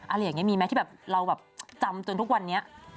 อะไรอย่างนี้มีไหมที่แบบเราแบบจำจนทุกวันนี้